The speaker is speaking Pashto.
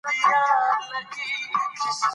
پکتیکا د افغانستان د امنیت په اړه هم اغېز لري.